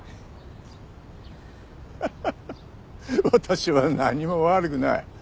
ハハハ私は何も悪くない。